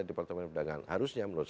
di departemen pertanian harusnya menurut saya